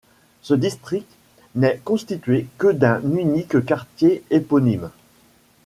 Ce district n'est constitué que d'un unique quartier éponyme.